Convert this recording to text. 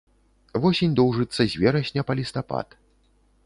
Восень доўжыцца з верасня па лістапад.